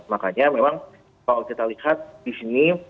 makanya memang kalau kita lihat di sini